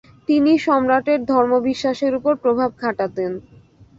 তিনি সম্রাটের ধর্মবিশ্বাসের উপর প্রভাব খাটাতেন।